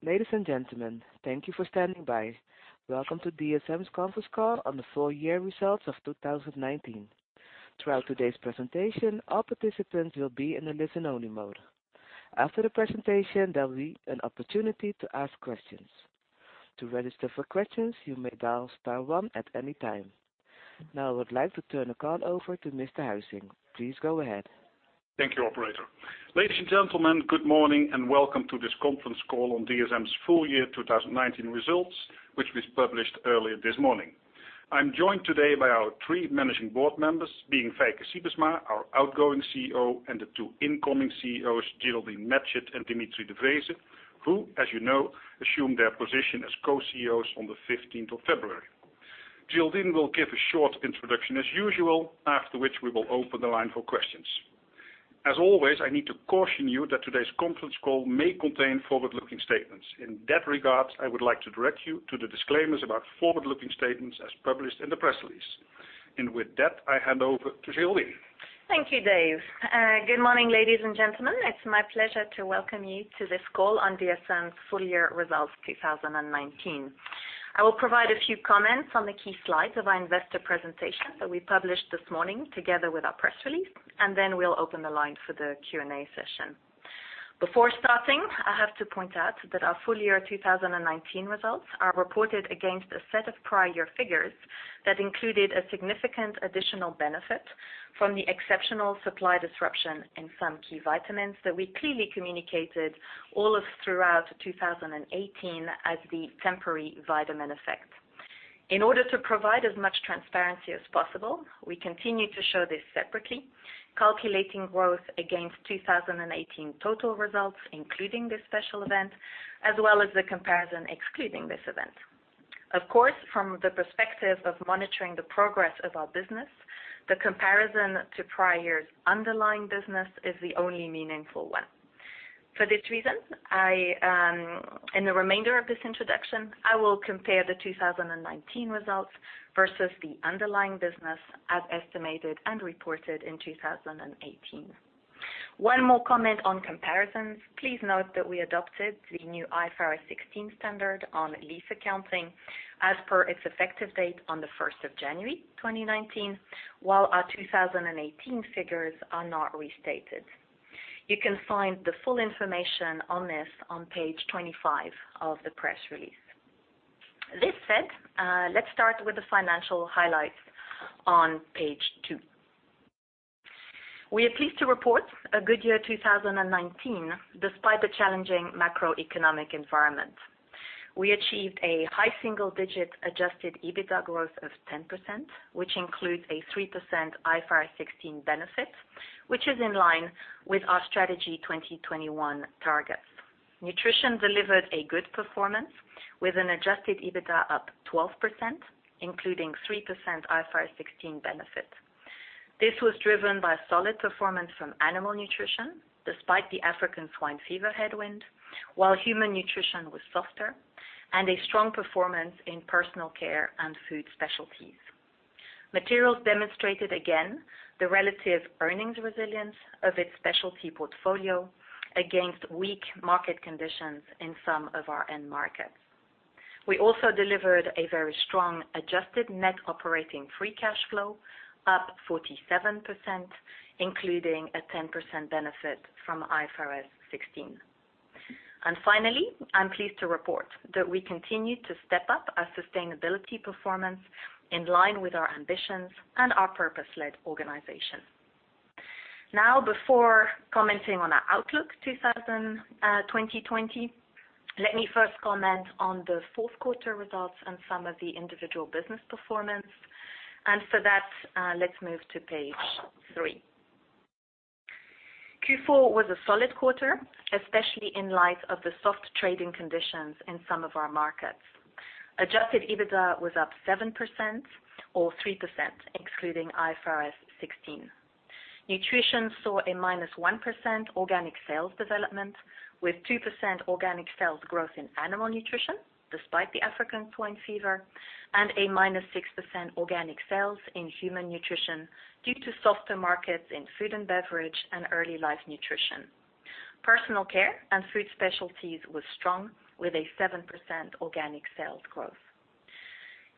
Ladies and gentlemen, thank you for standing by. Welcome to DSM's Conference Call on the Full Year Results of 2019. Throughout today's presentation, all participants will be in a listen-only mode. After the presentation, there will be an opportunity to ask questions. To register for questions, you may dial star one at any time. Now I would like to turn the call over to Mr. Huizing. Please go ahead. Thank you, operator. Ladies and gentlemen, good morning and welcome to this conference call on DSM's full year 2019 results, which was published earlier this morning. I'm joined today by our three managing board members, being Feike Sijbesma, our outgoing CEO, and the two incoming CEOs, Geraldine Matchett and Dimitri de Vreeze, who, as you know, assume their position as Co-CEOs on the 15th of February. Geraldine will give a short introduction as usual, after which we will open the line for questions. As always, I need to caution you that today's conference call may contain forward-looking statements. In that regard, I would like to direct you to the disclaimers about forward-looking statements as published in the press release. With that, I hand over to Geraldine. Thank you, Dave. Good morning, ladies and gentlemen. It's my pleasure to welcome you to this call on DSM's full year results 2019. I will provide a few comments on the key slides of our investor presentation that we published this morning together with our press release, and then we'll open the line for the Q&A session. Before starting, I have to point out that our full year 2019 results are reported against a set of prior year figures that included a significant additional benefit from the exceptional supply disruption in some key vitamins that we clearly communicated all of throughout 2018 as the temporary vitamin effect. In order to provide as much transparency as possible, we continue to show this separately, calculating growth against 2018 total results, including this special event, as well as the comparison excluding this event. Of course, from the perspective of monitoring the progress of our business, the comparison to prior year's underlying business is the only meaningful one. For this reason, in the remainder of this introduction, I will compare the 2019 results versus the underlying business as estimated and reported in 2018. One more comment on comparisons. Please note that we adopted the new IFRS 16 standard on lease accounting as per its effective date on the 1st of January 2019, while our 2018 figures are not restated. You can find the full information on this on page 25 of the press release. This said, let's start with the financial highlights on page two. We are pleased to report a good year 2019, despite the challenging macroeconomic environment. We achieved a high single-digit adjusted EBITDA growth of 10%, which includes a 3% IFRS 16 benefit, which is in line with our Strategy 2021 targets. Nutrition delivered a good performance with an adjusted EBITDA up 12%, including 3% IFRS 16 benefit. This was driven by solid performance from Animal Nutrition despite the African swine fever headwind, while Human Nutrition was softer and a strong performance in personal care and food specialties. Materials demonstrated again the relative earnings resilience of its specialty portfolio against weak market conditions in some of our end markets. We also delivered a very strong adjusted net operating free cash flow up 47%, including a 10% benefit from IFRS 16. Finally, I'm pleased to report that we continue to step up our sustainability performance in line with our ambitions and our purpose-led organization. Now, before commenting on our outlook 2020, let me first comment on the fourth quarter results and some of the individual business performance. For that, let's move to page three. Q4 was a solid quarter, especially in light of the soft trading conditions in some of our markets. Adjusted EBITDA was up 7% or 3% excluding IFRS 16. Nutrition saw a -1% organic sales development with 2% organic sales growth in Animal Nutrition despite the African swine fever and a -6% organic sales in Human Nutrition due to softer markets in food and beverage and early life nutrition. Personal care and food specialties was strong with a 7% organic sales growth.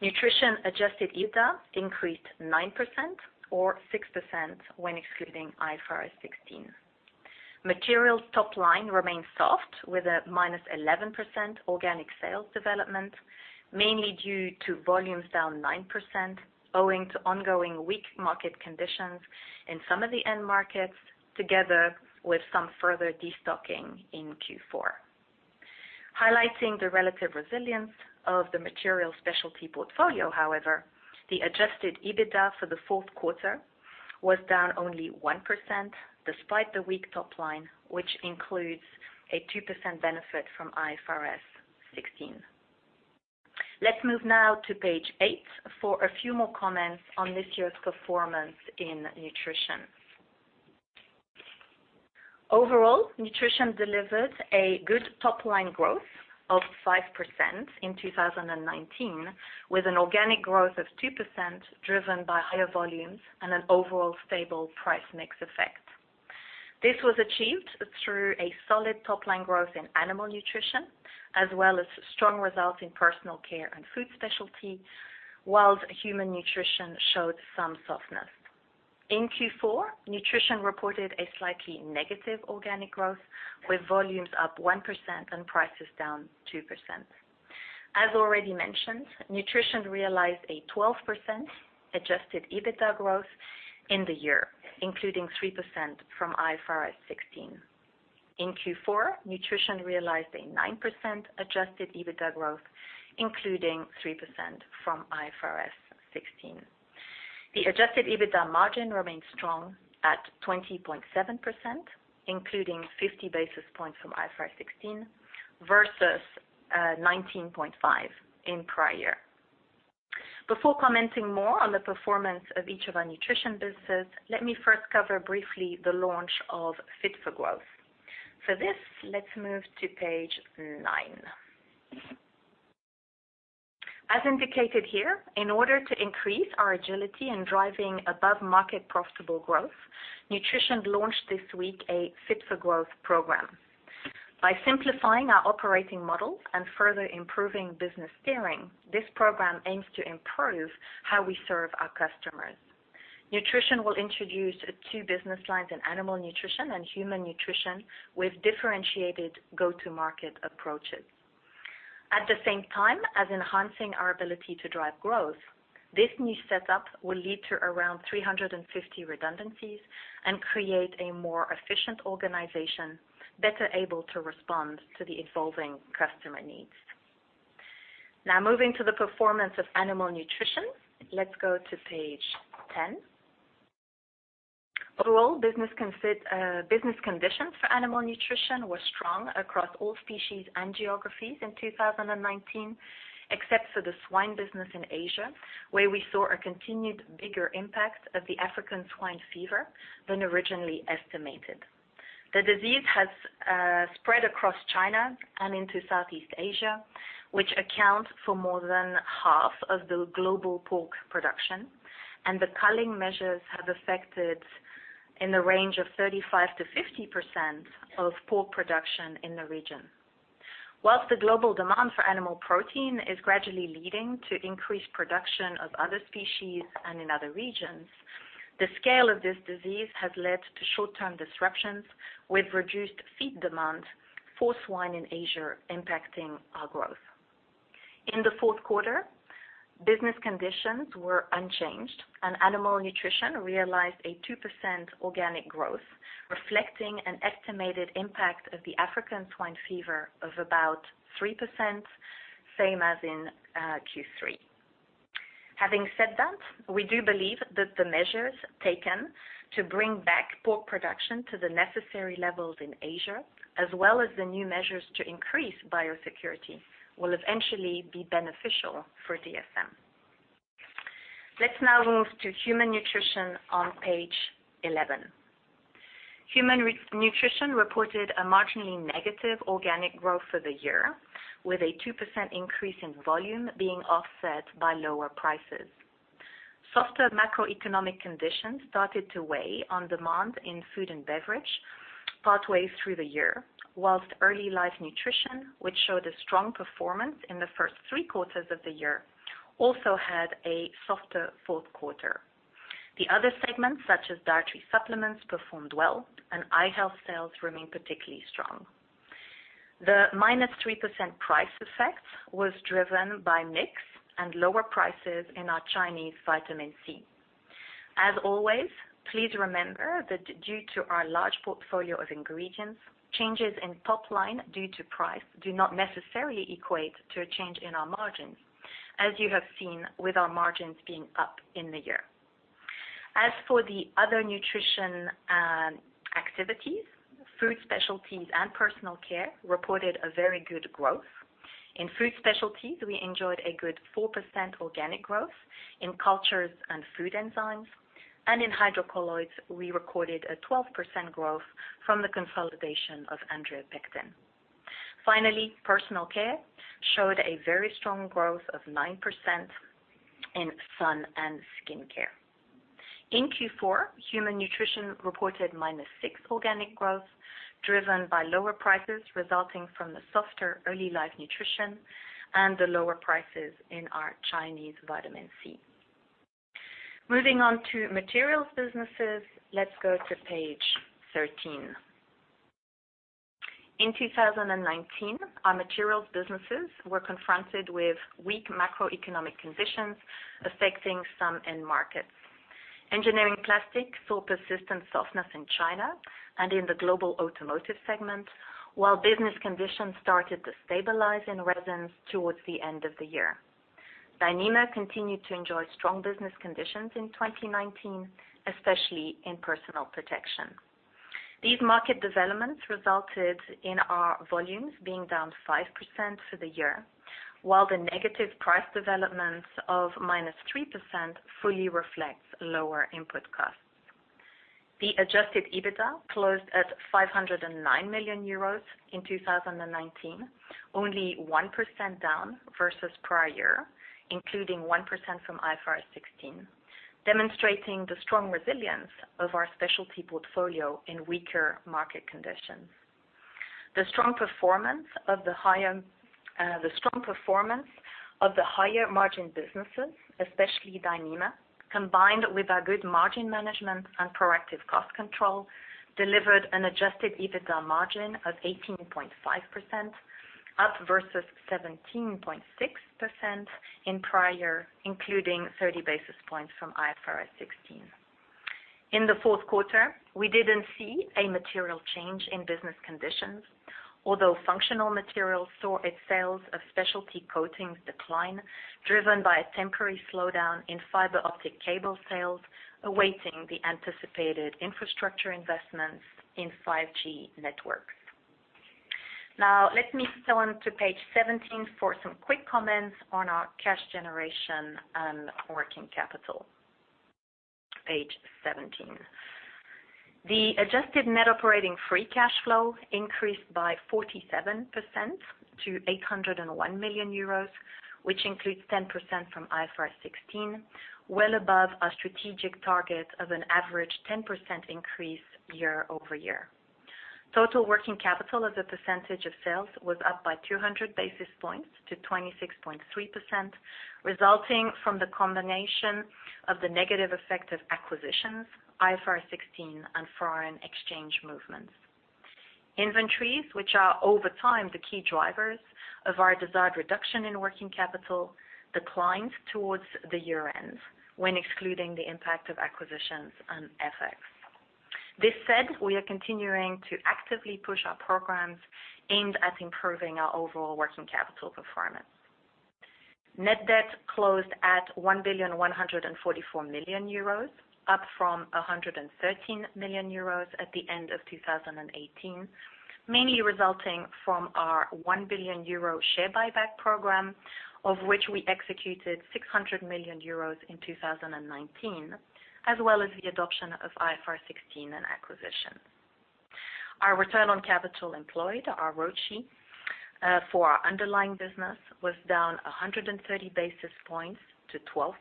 Nutrition adjusted EBITDA increased 9% or 6% when excluding IFRS 16. Materials top line remained soft with a -11% organic sales development, mainly due to volumes down 9%, owing to ongoing weak market conditions in some of the end markets together with some further destocking in Q4. Highlighting the relative resilience of the material specialty portfolio, however, the adjusted EBITDA for the fourth quarter was down only 1%, despite the weak top line, which includes a 2% benefit from IFRS 16. Let's move now to page eight for a few more comments on this year's performance in nutrition. Overall, nutrition delivered a good top-line growth of 5% in 2019 with an organic growth of 2% driven by higher volumes and an overall stable price mix effect. This was achieved through a solid top-line growth in Animal Nutrition, as well as strong results in Personal Care and Food Specialty, whilst Human Nutrition showed some softness. In Q4, Nutrition reported a slightly negative organic growth, with volumes up 1% and prices down 2%. As already mentioned, Nutrition realized a 12% adjusted EBITDA growth in the year, including 3% from IFRS 16. In Q4, Nutrition realized a 9% adjusted EBITDA growth, including 3% from IFRS 16. The adjusted EBITDA margin remains strong at 20.7%, including 50 basis points from IFRS 16 versus 19.5 in prior. Before commenting more on the performance of each of our Nutrition business, let me first cover briefly the launch of Fit for Growth. For this, let's move to page nine. As indicated here, in order to increase our agility in driving above-market profitable growth, Nutrition launched this week a Fit for Growth program. By simplifying our operating model and further improving business steering, this program aims to improve how we serve our customers. Nutrition will introduce two business lines in Animal Nutrition and Human Nutrition with differentiated go-to-market approaches. At the same time as enhancing our ability to drive growth, this new setup will lead to around 350 redundancies and create a more efficient organization better able to respond to the evolving customer needs. Moving to the performance of Animal Nutrition, let's go to page 10. Overall, business conditions for Animal Nutrition were strong across all species and geographies in 2019, except for the swine business in Asia, where we saw a continued bigger impact of the African swine fever than originally estimated. The disease has spread across China and into Southeast Asia, which account for more than 1/2 of the global pork production, and the culling measures have affected in the range of 35%-50% of pork production in the region. The global demand for animal protein is gradually leading to increased production of other species and in other regions, the scale of this disease has led to short-term disruptions with reduced feed demand for swine in Asia, impacting our growth. In the fourth quarter, business conditions were unchanged, and Animal Nutrition realized a 2% organic growth, reflecting an estimated impact of the African swine fever of about 3%, same as in Q3. Having said that, we do believe that the measures taken to bring back pork production to the necessary levels in Asia, as well as the new measures to increase biosecurity, will eventually be beneficial for DSM. Let's now move to Human Nutrition on page 11. Human Nutrition reported a marginally negative organic growth for the year, with a 2% increase in volume being offset by lower prices. Softer macroeconomic conditions started to weigh on demand in food and beverage partway through the year, whilst Early Life Nutrition, which showed a strong performance in the first three quarters of the year, also had a softer fourth quarter. The other segments, such as dietary supplements, performed well, and eye health sales remained particularly strong. The -3% price effect was driven by mix and lower prices in our Chinese vitamin C. As always, please remember that due to our large portfolio of ingredients, changes in top-line due to price do not necessarily equate to a change in our margins, as you have seen with our margins being up in the year. For the other nutrition activities, Food Specialties and Personal Care reported a very good growth. In Food Specialties, we enjoyed a good 4% organic growth in cultures and food enzymes, and in hydrocolloids, we recorded a 12% growth from the consolidation of Andre Pectin. Finally, Personal Care showed a very strong growth of 9% in sun and skincare. In Q4, Human Nutrition reported -6% organic growth, driven by lower prices resulting from the softer Early Life Nutrition and the lower prices in our Chinese vitamin C. Moving on to Materials businesses, let's go to page 13. In 2019, our Materials businesses were confronted with weak macroeconomic conditions affecting some end markets. Engineering Plastic saw persistent softness in China and in the global automotive segment, while business conditions started to stabilize in resins towards the end of the year. Dyneema continued to enjoy strong business conditions in 2019, especially in personal protection. These market developments resulted in our volumes being down 5% for the year, while the negative price developments of -3% fully reflects lower input costs. The adjusted EBITDA closed at 509 million euros in 2019, only 1% down versus prior year, including 1% from IFRS 16, demonstrating the strong resilience of our specialty portfolio in weaker market conditions. The strong performance of the higher margin businesses, especially Dyneema, combined with our good margin management and proactive cost control delivered an adjusted EBITDA margin of 18.5%, up versus 17.6% in prior, including 30 basis points from IFRS 16. In the fourth quarter, we didn't see a material change in business conditions, although functional materials saw its sales of specialty coatings decline driven by a temporary slowdown in fiber optic cable sales, awaiting the anticipated infrastructure investments in 5G networks. Let me turn to page 17 for some quick comments on our cash generation and working capital. Page 17. The adjusted net operating free cash flow increased by 47% to 801 million euros, which includes 10% from IFRS 16, well above our strategic target of an average 10% increase year-over-year. Total working capital as a percentage of sales was up by 200 basis points to 26.3%, resulting from the combination of the negative effect of acquisitions, IFRS 16, and foreign exchange movements. Inventories, which are over time the key drivers of our desired reduction in working capital, declined towards the year-end when excluding the impact of acquisitions and FX. This said, we are continuing to actively push our programs aimed at improving our overall working capital performance. Net debt closed at 1,144 million euros, up from 113 million euros at the end of 2018, mainly resulting from our 1 billion euro share buyback program, of which we executed 600 million euros in 2019, as well as the adoption of IFRS 16 and acquisition. Our return on capital employed, our ROCE for our underlying business was down 130 basis points to 12%,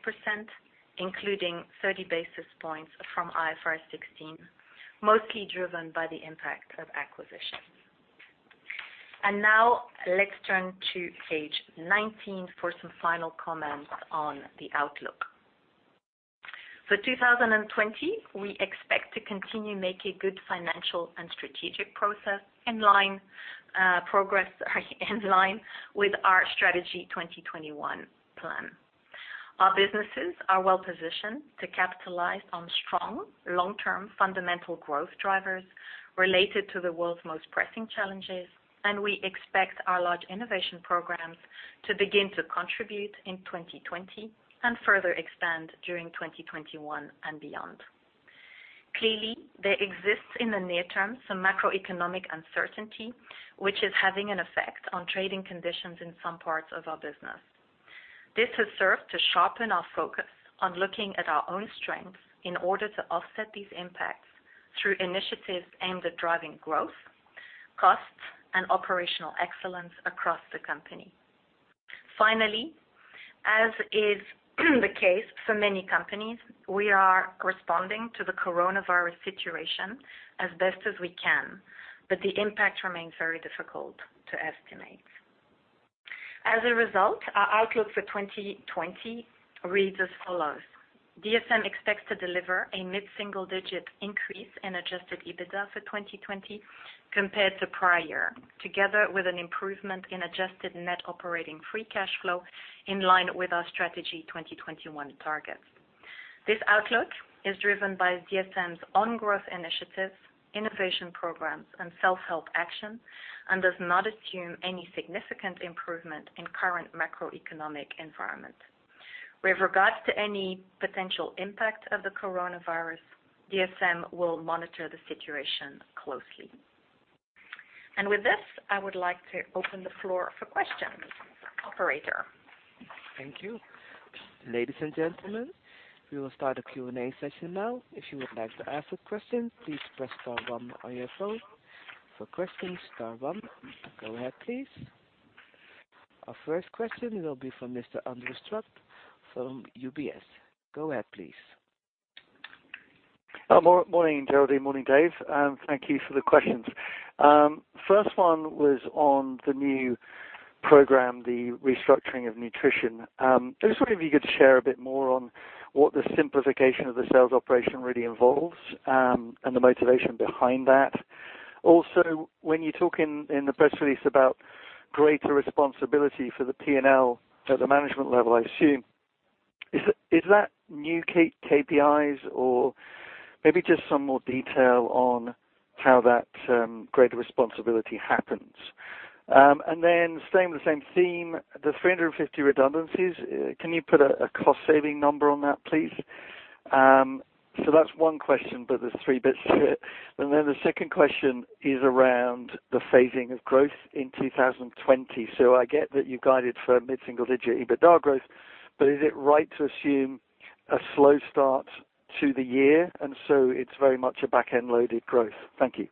including 30 basis points from IFRS 16, mostly driven by the impact of acquisitions. Now let's turn to page 19 for some final comments on the outlook. For 2020, we expect to continue making good financial and strategic progress in line with our Strategy 2021 plan. Our businesses are well positioned to capitalize on strong long-term fundamental growth drivers related to the world's most pressing challenges, and we expect our large innovation programs to begin to contribute in 2020, and further expand during 2021 and beyond. Clearly, there exists in the near term some macroeconomic uncertainty, which is having an effect on trading conditions in some parts of our business. This has served to sharpen our focus on looking at our own strengths in order to offset these impacts through initiatives aimed at driving growth, costs, and operational excellence across the company. Finally, as is the case for many companies, we are responding to the coronavirus situation as best as we can, but the impact remains very difficult to estimate. Our outlook for 2020 reads as follows. DSM expects to deliver a mid-single digit increase in adjusted EBITDA for 2020 compared to prior, together with an improvement in adjusted net operating free cash flow in line with our Strategy 2021 targets. This outlook is driven by DSM's ongoing initiatives, innovation programs, and self-help action and does not assume any significant improvement in current macroeconomic environment. With regards to any potential impact of the coronavirus, DSM will monitor the situation closely. With this, I would like to open the floor for questions. Operator. Thank you. Ladies and gentlemen, we will start the Q&A session now. If you would like to ask a question, please press star one on your phone. For questions, star one. Go ahead, please. Our first question will be from Mr. Andrew Stott from UBS. Go ahead, please. Morning, Geraldine, morning, Dave. Thank you for the questions. First one was on the new program, the restructuring of nutrition. I was wondering if you could share a bit more on what the simplification of the sales operation really involves, and the motivation behind that. Also, when you talk in the press release about greater responsibility for the P&L at the management level, I assume, is that new KPIs or maybe just some more detail on how that greater responsibility happens. Staying in the same theme, the 350 redundancies, can you put a cost-saving number on that, please? That's one question, but there's three bits to it. The second question is around the phasing of growth in 2020. I get that you guided for mid-single-digit EBITDA growth, but is it right to assume a slow start to the year, and so it's very much a back-end-loaded growth? Thank you.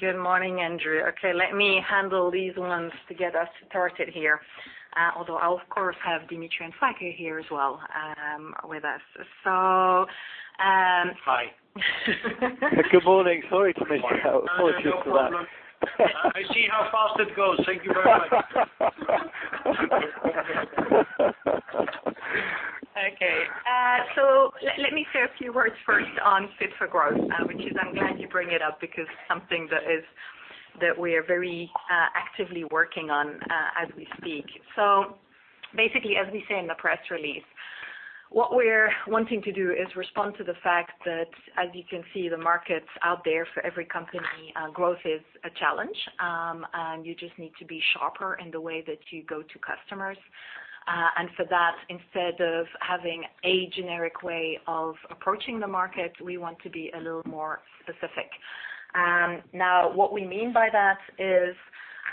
Good morning, Andrew. Okay, let me handle these ones to get us started here. I'll of course have Dimitri and Feike here as well with us. Hi. Good morning. Sorry to miss you out. Apologies for that. No problem. I see how fast it goes. Thank you very much. Okay. Let me say a few words first on Fit for Growth, which is, I'm glad you bring it up, because it's something that we are very actively working on as we speak. Basically, as we say in the press release, what we're wanting to do is respond to the fact that, as you can see, the markets out there for every company, growth is a challenge. You just need to be sharper in the way that you go to customers. For that, instead of having a generic way of approaching the market, we want to be a little more specific. Now, what we mean by that is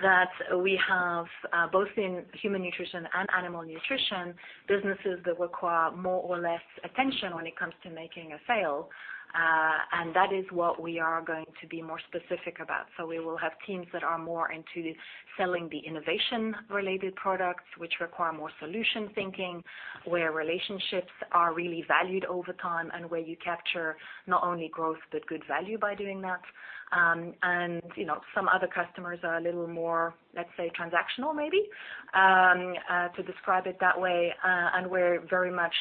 that we have, both in Human Nutrition and Animal Nutrition, businesses that require more or less attention when it comes to making a sale. That is what we are going to be more specific about. We will have teams that are more into selling the innovation-related products, which require more solution thinking, where relationships are really valued over time, and where you capture not only growth but good value by doing that. Some other customers are a little more, let's say, transactional maybe, to describe it that way. Where very much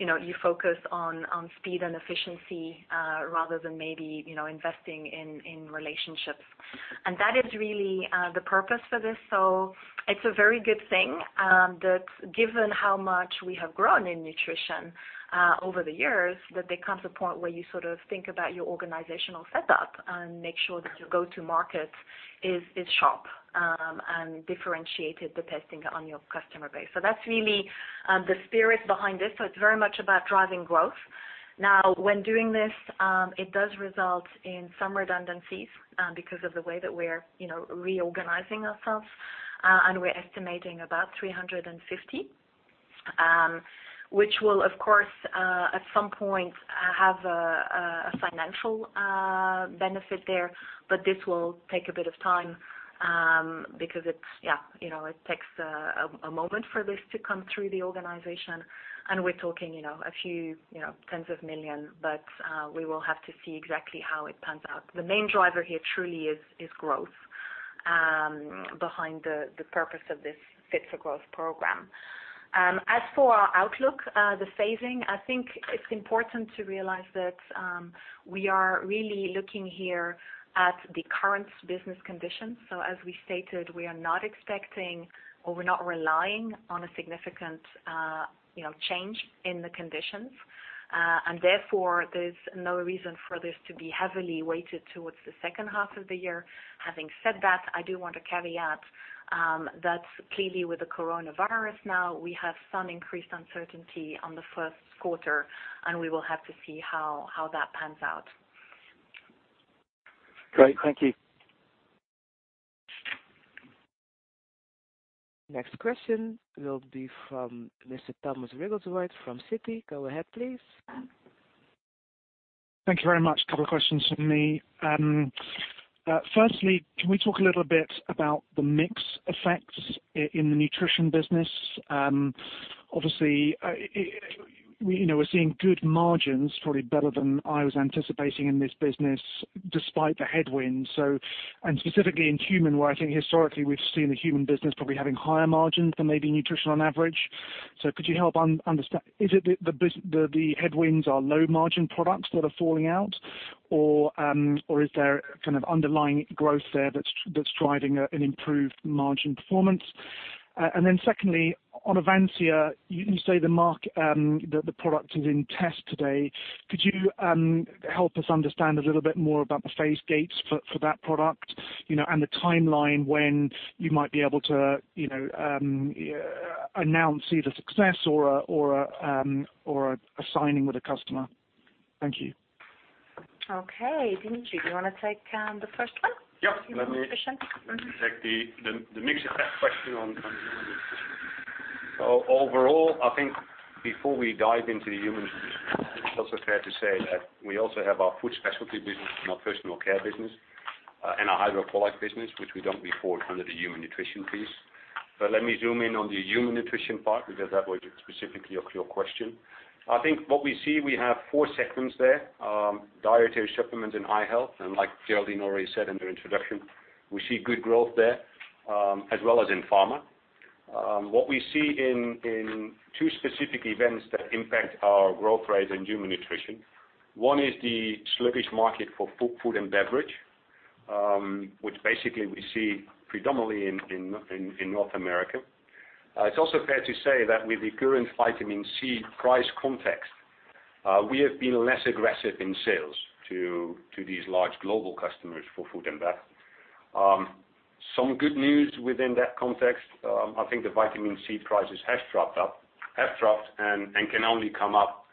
you focus on speed and efficiency rather than maybe investing in relationships. That is really the purpose for this. It's a very good thing that given how much we have grown in nutrition over the years, that there comes a point where you sort of think about your organizational setup and make sure that your go-to market is sharp and differentiated, depending on your customer base. That's really the spirit behind this. It's very much about driving growth. When doing this, it does result in some redundancies because of the way that we're reorganizing ourselves, and we're estimating about 350. Which will, of course, at some point, have a financial benefit there, but this will take a bit of time, because it takes a moment for this to come through the organization, and we're talking a few 10s of million, but we will have to see exactly how it pans out. The main driver here truly is growth behind the purpose of this Fit for Growth program. As for our outlook, the phasing, I think it's important to realize that we are really looking here at the current business conditions. As we stated, we are not expecting, or we're not relying on a significant change in the conditions. Therefore, there's no reason for this to be heavily weighted towards the second half of the year. Having said that, I do want to caveat that clearly with the coronavirus now, we have some increased uncertainty on the first quarter, and we will have to see how that pans out. Great. Thank you. Next question will be from Mr. Thomas Wrigglesworth from Citi. Go ahead, please. Thank you very much. A couple of questions from me. Firstly, can we talk a little bit about the mix effects in the Nutrition business? Obviously, we're seeing good margins, probably better than I was anticipating in this business despite the headwinds. And specifically in Human, where I think historically we've seen the Human business probably having higher margins than maybe Nutrition on average. Could you help understand, is it that the headwinds are low margin products that are falling out, or is there kind of underlying growth there that's driving an improved margin performance? Secondly, on Avansya, you say the product is in test today. Could you help us understand a little bit more about the phase gates for that product, and the timeline when you might be able to announce either success or a signing with a customer? Thank you. Okay. Dimitri, do you want to take the first one? Yeah. [Christian?] Let me take the mix effect question on Human Nutrition & Health. Overall, I think before we dive into the Human Nutrition & Health, it's also fair to say that we also have our food specialty business and our personal care business, and our Hydrocolloid business, which we don't report under the Human Nutrition & Health piece. Let me zoom in on the Human Nutrition & Health part, because that was specifically your question. I think what we see, we have four segments there. Dietary supplements and eye health, and like Geraldine already said in her introduction, we see good growth there, as well as in pharma. What we see in two specific events that impact our growth rate in Human Nutrition & Health. One is the sluggish market for food and beverage, which basically we see predominantly in North America. It's also fair to say that with the current vitamin C price context, we have been less aggressive in sales to these large global customers for food and bev. Some good news within that context, I think the vitamin C prices have dropped, and can only come up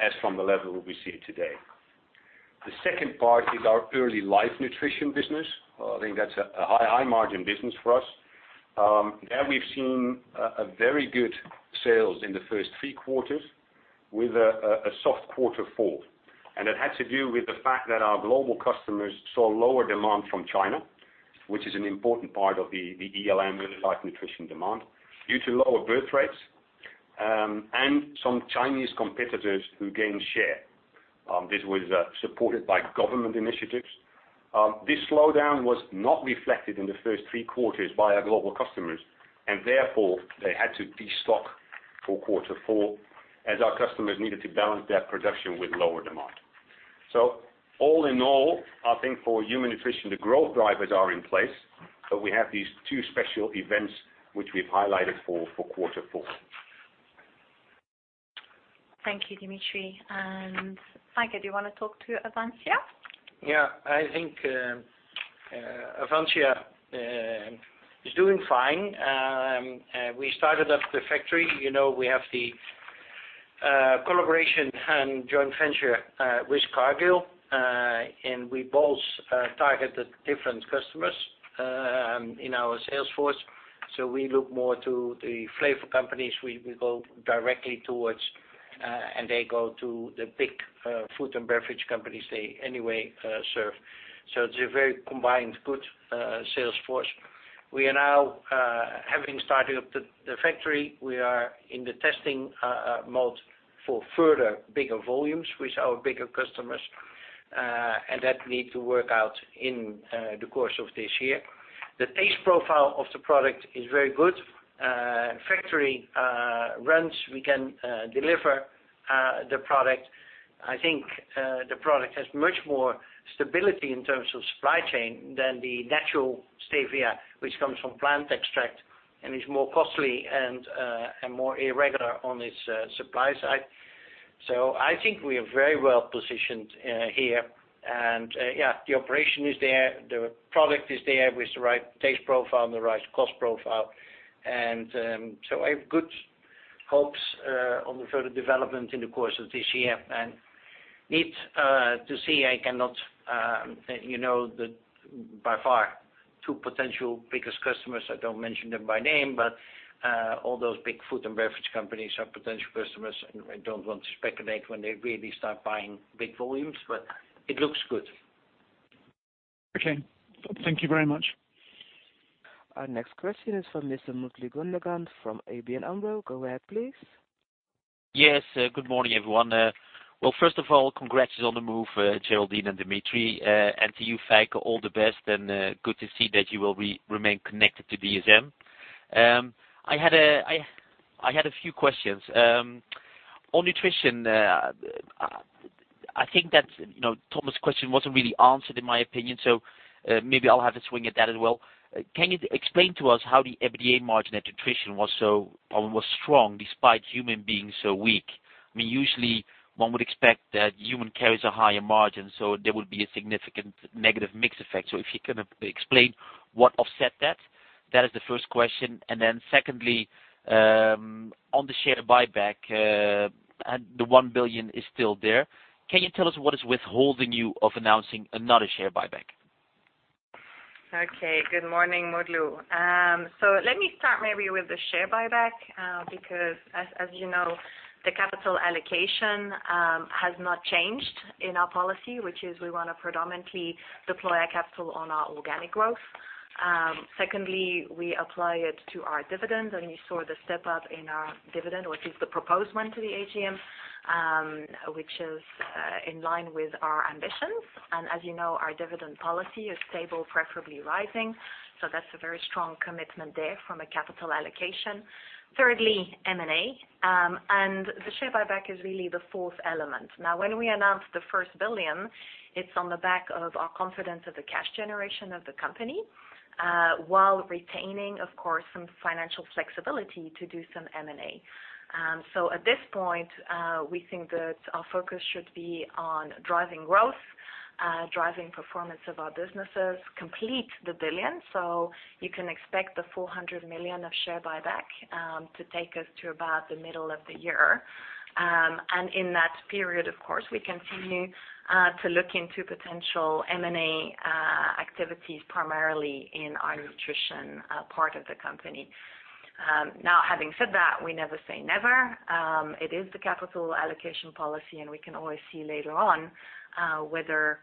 as from the level we see today. The second part is our Early Life Nutrition business. I think that's a high margin business for us. There we've seen a very good sales in the first three quarters with a soft quarter four. It had to do with the fact that our global customers saw lower demand from China. Which is an important part of the ELN, Early Life Nutrition demand, due to lower birth rates and some Chinese competitors who gained share. This was supported by government initiatives. This slowdown was not reflected in the first three quarters by our global customers, and therefore they had to destock for quarter four as our customers needed to balance their production with lower demand. All in all, I think for Human Nutrition, the growth drivers are in place, but we have these two special events which we've highlighted for quarter four. Thank you, Dimitri. Feike, do you want to talk to Avansya? Yeah. I think Avansya is doing fine. We started up the factory. We have the collaboration and joint venture with Cargill, and we both targeted different customers in our sales force. We look more to the flavor companies we go directly towards, and they go to the big food and beverage companies they anyway serve. It's a very combined, good sales force. We are now having started up the factory, we are in the testing mode for further bigger volumes with our bigger customers, and that need to work out in the course of this year. The taste profile of the product is very good. Factory runs, we can deliver the product. I think the product has much more stability in terms of supply chain than the natural stevia, which comes from plant extract and is more costly and more irregular on its supply side. I think we are very well positioned here. The operation is there, the product is there with the right taste profile and the right cost profile. I have good hopes on the further development in the course of this year. I need to see, I cannot, by far two potential biggest customers, I don't mention them by name, but all those big food and beverage companies are potential customers, and I don't want to speculate when they really start buying big volumes, but it looks good. Okay. Thank you very much. Our next question is from Mr. Mutlu Gundogan from ABN AMRO. Go ahead, please. Yes. Good morning, everyone. Well, first of all, congrats on the move, Geraldine and Dimitri, and to you, Feike, all the best, and good to see that you will remain connected to DSM. I had a few questions. On Nutrition, I think that Thomas' question wasn't really answered in my opinion, so maybe I'll have a swing at that as well. Can you explain to us how the EBITDA margin at Nutrition was so strong despite Human being so weak? Usually one would expect that Human carries a higher margin, so there would be a significant negative mix effect. If you can explain what offset that. That is the first question. Secondly, on the share buyback, the 1 billion is still there. Can you tell us what is withholding you of announcing another share buyback? Okay. Good morning, Mutlu. Let me start maybe with the share buyback, because as you know, the capital allocation has not changed in our policy, which is we want to predominantly deploy our capital on our organic growth. Secondly, we apply it to our dividend, you saw the step up in our dividend, which is the proposed one to the AGM, which is in line with our ambitions. As you know, our dividend policy is stable, preferably rising. That's a very strong commitment there from a capital allocation. Thirdly, M&A, the share buyback is really the fourth element. Now, when we announced the first 1 billion, it's on the back of our confidence of the cash generation of the company, while retaining, of course, some financial flexibility to do some M&A. At this point, we think that our focus should be on driving growth, driving performance of our businesses, complete the 1 billion. You can expect the 400 million of share buyback to take us to about the middle of the year. In that period, of course, we continue to look into potential M&A activities, primarily in our nutrition part of the company. Having said that, we never say never. It is the capital allocation policy, and we can always see later on whether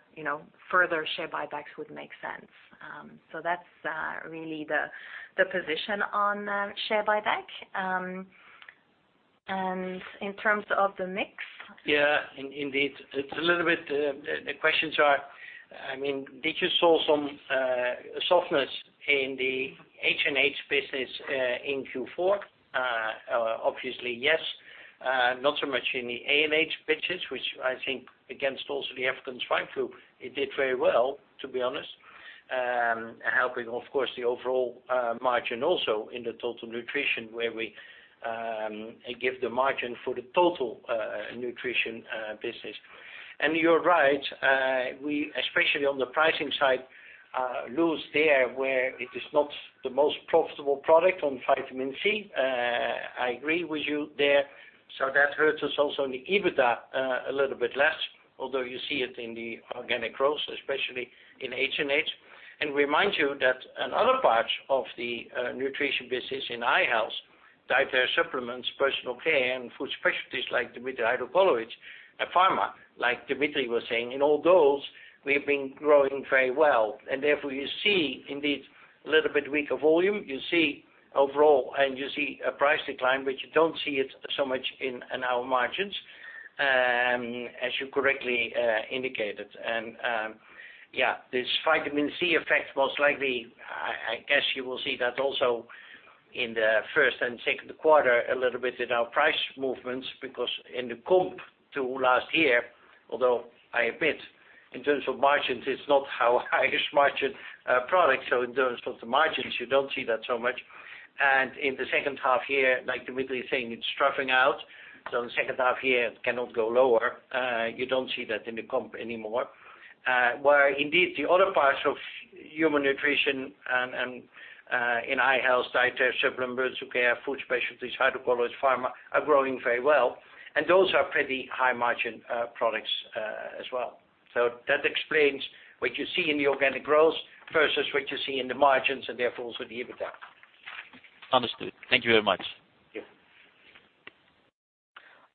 further share buybacks would make sense. That's really the position on share buyback. In terms of the mix. Yeah, indeed. The questions are, did you saw some softness in the HNH business in Q4? Obviously, yes. Not so much in the ANH business, which I think against also the African swine fever, it did very well, to be honest. Helping, of course, the overall margin also in the total nutrition where we give the margin for the total nutrition business. You're right. We, especially on the pricing side, lose there where it is not the most profitable product on vitamin C. I agree with you there. That hurts us also in the EBITDA a little bit less, although you see it in the organic growth, especially in HNH. Remind you that another part of the nutrition business in eye healthDietary supplements, personal care and food specialties like Dimitri Hydrocolloids and Pharma, like Dimitri was saying, in all those, we've been growing very well. Therefore you see indeed a little bit weaker volume, you see overall and you see a price decline, but you don't see it so much in our margins, as you correctly indicated. Yeah, this vitamin C effect, most likely, I guess you will see that also in the first and second quarter a little bit in our price movements because in the comp to last year, although I admit in terms of margins, it's not our highest margin product, so in terms of the margins, you don't see that so much. In the second half year, like Dimitri is saying, it's troughing out. In the second half year, it cannot go lower. You don't see that in the comp anymore. Where indeed the other parts of Human Nutrition and in eye health, dietary supplements, zoo care, food specialties, hydrocolloids, pharma, are growing very well, and those are pretty high margin products as well. That explains what you see in the organic growth versus what you see in the margins and therefore also the EBITDA. Understood. Thank you very much. Yeah.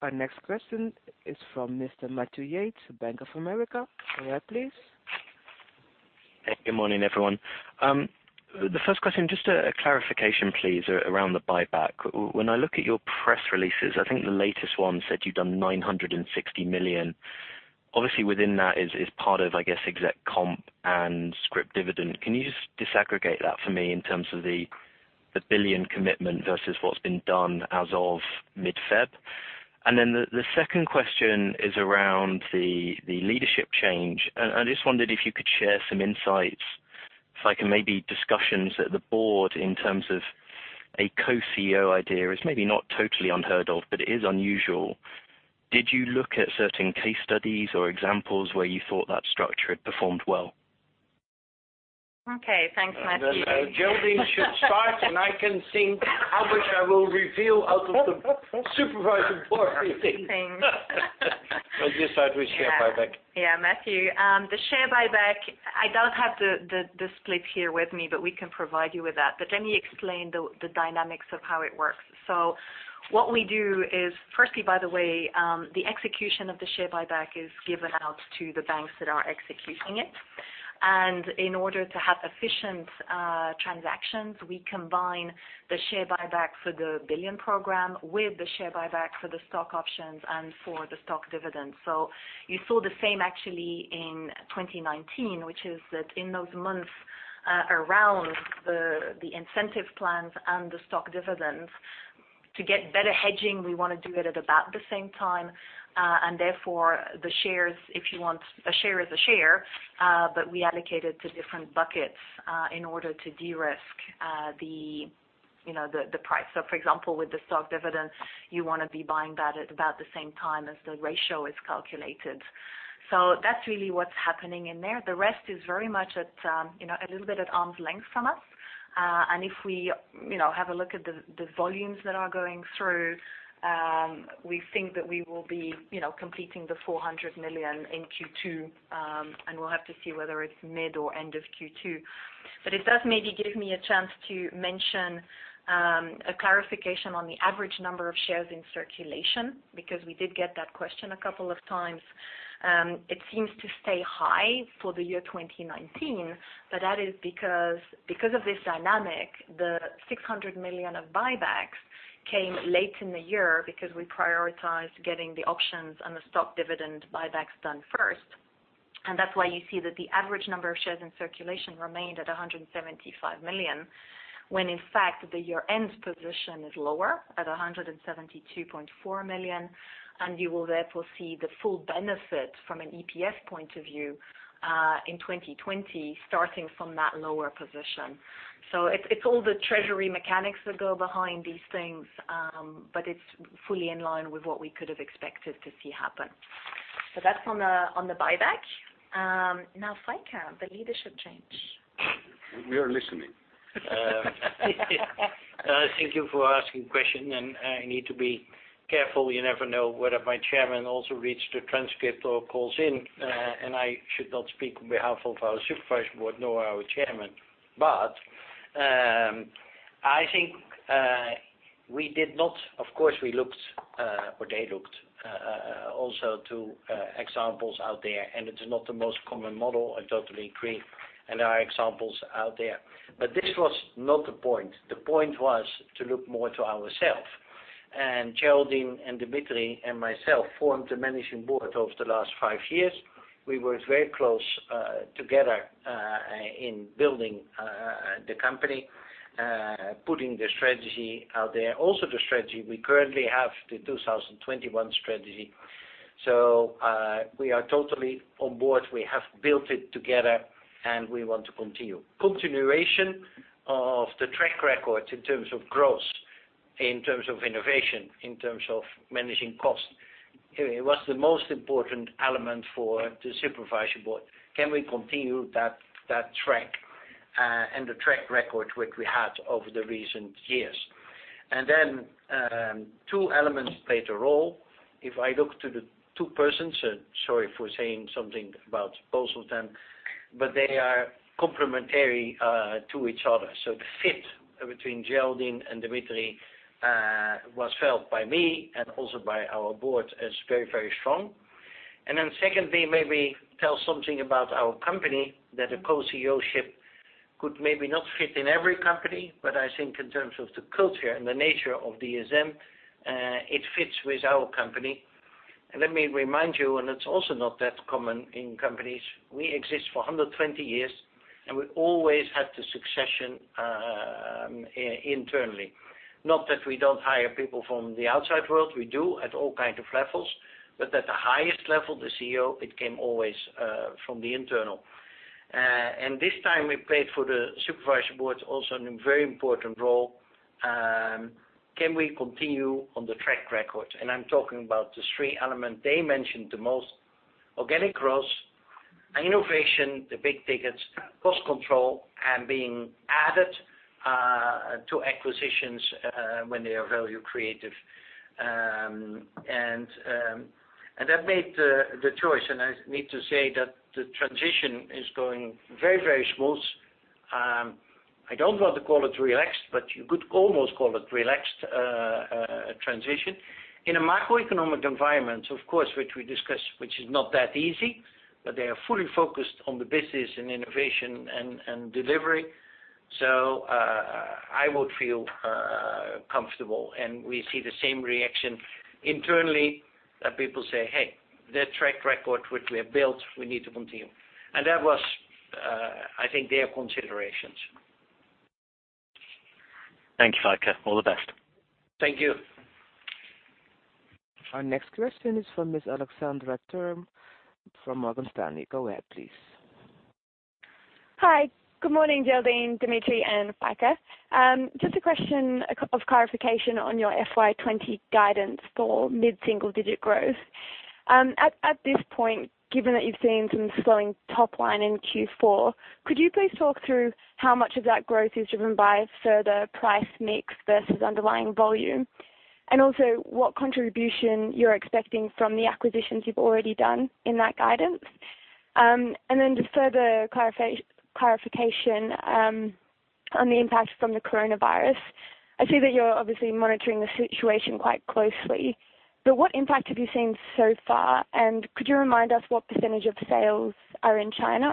Our next question is from Mr. Matthew Yates of Bank of America. Go ahead, please. Good morning, everyone. The first question, just a clarification, please, around the buyback. When I look at your press releases, I think the latest one said you'd done 960 million. Obviously, within that is part of, I guess, exec comp and scrip dividend. Can you just disaggregate that for me in terms of the 1 billion commitment versus what's been done as of mid-February? The second question is around the leadership change. I just wondered if you could share some insights, Feike, maybe discussions at the board in terms of a Co-CEO idea is maybe not totally unheard of, but it is unusual. Did you look at certain case studies or examples where you thought that structure had performed well? Okay. Thanks, Matthew. Geraldine should start, and I can think how much I will reveal out of the supervisory board meeting. Things. We'll just start with share buyback. Yeah, Matthew. The share buyback, I don't have the split here with me, but we can provide you with that. Let me explain the dynamics of how it works. What we do is, firstly, by the way, the execution of the share buyback is given out to the banks that are executing it. In order to have efficient transactions, we combine the share buyback for the 1 billion program with the share buyback for the stock options and for the stock dividend. You saw the same actually in 2019, which is that in those months around the incentive plans and the stock dividends. To get better hedging, we want to do it at about the same time, and therefore the shares, if you want, a share is a share, but we allocate it to different buckets, in order to de-risk the price. For example, with the stock dividend, you want to be buying that at about the same time as the ratio is calculated. So, that really was happening in there the rest is very much at a little bit at arm's length from us. If we have a look at the volumes that are going through, we think that we will be completing the 400 million in Q2, and we'll have to see whether it's mid or end of Q2. It does maybe give me a chance to mention, a clarification on the average number of shares in circulation, because we did get that question a couple of times. It seems to stay high for the year 2019, but that is because of this dynamic, the 600 million of buybacks came late in the year because we prioritized getting the options and the stock dividend buybacks done first. That's why you see that the average number of shares in circulation remained at 175 million, when in fact the year-end position is lower at 172.4 million, and you will therefore see the full benefit from an EPS point of view, in 2020, starting from that lower position. It's all the treasury mechanics that go behind these things, but it's fully in line with what we could have expected to see happen. That's on the buyback. Now, Feike, the leadership change. We are listening. Thank you for asking question. I need to be careful. You never know whether my chairman also reads the transcript or calls in. I should not speak on behalf of our supervisory board, nor our chairman. I think, we did not of course, we looked, or they looked, also to examples out there. It's not the most common model, I totally agree. There are examples out there. This was not the point. The point was to look more to ourselves. Geraldine and Dimitri and myself formed the managing board over the last five years. We worked very close together in building the company, putting the strategy out there. Also, the strategy we currently have, the 2021 strategy. We are totally on board. We have built it together. We want to continue. Continuation of the track record in terms of growth, in terms of innovation, in terms of managing costs. It was the most important element for the supervisory board. Can we continue that track, and the track record which we had over the recent years? Two elements played a role. If I look to the two persons, sorry for saying something about both of them. They are complementary to each other. The fit between Geraldine and Dimitri was felt by me and also by our board as very, very strong. Secondly, maybe tell something about our company that a Co-CEO ship could maybe not fit in every company, but I think in terms of the culture and the nature of DSM, it fits with our company. Let me remind you, it's also not that common in companies, we exist for 120 years, we always had the succession internally. Not that we don't hire people from the outside world, we do at all kinds of levels, but at the highest level, the CEO, it came always from the internal. This time we played for the supervisory board also in a very important role. Can we continue on the track record? I'm talking about the three elements they mentioned the most, organic growth and innovation, the big tickets, cost control, and being added to acquisitions when they are value creative. That made the choice, and I need to say that the transition is going very, very smooth. I don't want to call it relaxed, but you could almost call it relaxed transition. In a macroeconomic environment, of course, which we discussed, which is not that easy, they are fully focused on the business and innovation and delivery. I would feel comfortable, and we see the same reaction internally that people say, "Hey, their track record, which we have built, we need to continue." That was I think their considerations. Thank you, Feike. All the best. Thank you. Our next question is from Ms. Alexandra Thrum from Morgan Stanley. Go ahead, please. Hi, good morning, Geraldine, Dimitri, and Feike. Just a question of clarification on your FY 2020 guidance for mid-single digit growth. At this point, given that you've seen some slowing top line in Q4, could you please talk through how much of that growth is driven by further price mix versus underlying volume? Also, what contribution you're expecting from the acquisitions you've already done in that guidance? Then, just further clarification on the impact from the coronavirus. I see that you're obviously monitoring the situation quite closely, but what impact have you seen so far? Could you remind us what percentage of your sales are in China,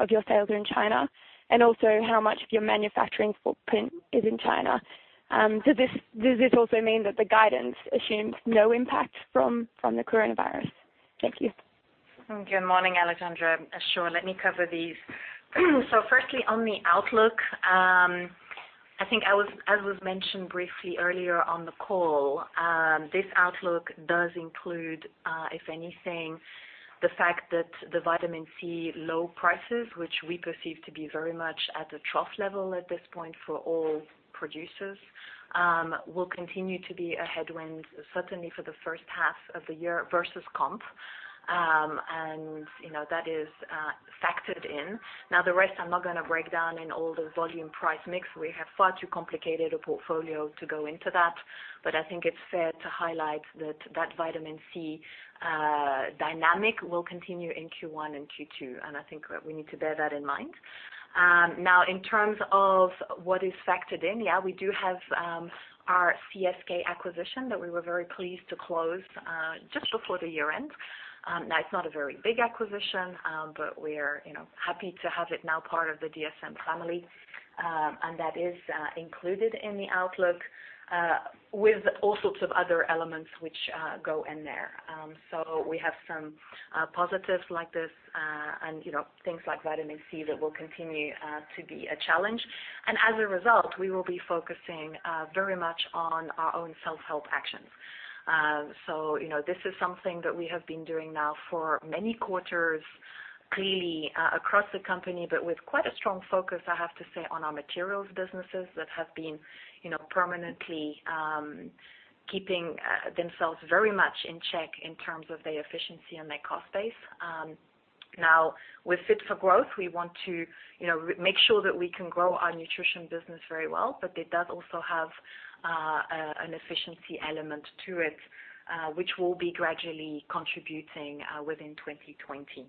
and also how much of your manufacturing footprint is in China? Does this also mean that the guidance assumes no impact from the coronavirus? Thank you. Good morning, Alexandra. Sure. Let me cover these. Firstly, on the outlook, I think as was mentioned briefly earlier on the call, this outlook does include, if anything, the fact that the vitamin C low prices, which we perceive to be very much at a trough level at this point for all producers, will continue to be a headwind, certainly for the first half of the year versus comp. That is factored in. The rest, I'm not going to break down in all the volume price mix. We have far too complicated a portfolio to go into that. I think it's fair to highlight that that vitamin C dynamic will continue in Q1 and Q2, and I think we need to bear that in mind. In terms of what is factored in, we do have our CSK acquisition that we were very pleased to close just before the year-end. It's not a very big acquisition, but we're happy to have it now part of the DSM family. That is included in the outlook, with all sorts of other elements which go in there. We have some positives like this, and things like vitamin C that will continue to be a challenge. As a result, we will be focusing very much on our own self-help actions. This is something that we have been doing now for many quarters, clearly, across the company, but with quite a strong focus, I have to say, on our materials businesses that have been permanently keeping themselves very much in check in terms of their efficiency and their cost base. With Fit for Growth, we want to make sure that we can grow our nutrition business very well, but it does also have an efficiency element to it, which will be gradually contributing within 2020.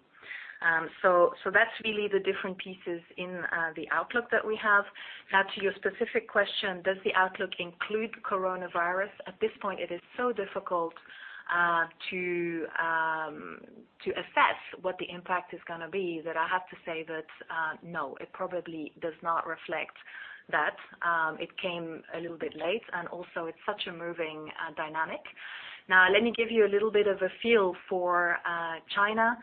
That's really the different pieces in the outlook that we have. To your specific question, does the outlook include coronavirus? At this point, it is so difficult to assess what the impact is going to be, that I have to say that, no, it probably does not reflect that. It came a little bit late, and also, it's such a moving dynamic. Let me give you a little bit of a feel for China.